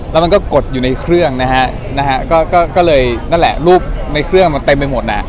แล้วมันก็กดอยู่ในเครื่องนะฮะนะฮะก็ก็เลยนั่นแหละรูปในเครื่องมันเต็มไปหมดน่ะ